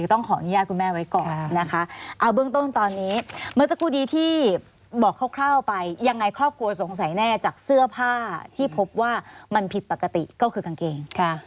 ต้องขออนุญาตคุณแม่ไว้ก่อนนะคะเอาเบื้องต้นตอนนี้เมื่อสักครู่นี้ที่บอกคร่าวไปยังไงครอบครัวสงสัยแน่จากเสื้อผ้าที่พบว่ามันผิดปกติก็คือกางเกง